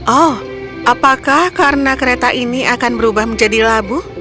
oh apakah karena kereta ini akan berubah menjadi labu